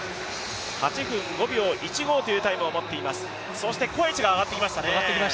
８分５秒１５というタイムを持っています、そしてコエチが上がってきましたね。